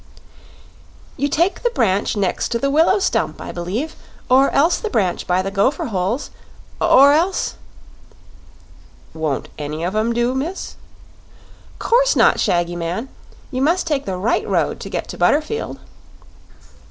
"You take the branch next the willow stump, I b'lieve; or else the branch by the gopher holes; or else " "Won't any of 'em do, miss?" "'Course not, Shaggy Man. You must take the right road to get to Butterfield."